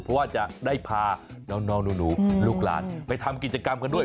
เพราะว่าจะได้พาน้องหนูลูกหลานไปทำกิจกรรมกันด้วย